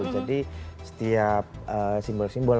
jadi setiap simbol simbol